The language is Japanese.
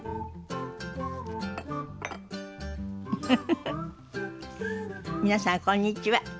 フフフフ皆さんこんにちは。